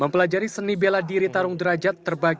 mempelajari seni beladiri tarung derajat terbagi menjadi dua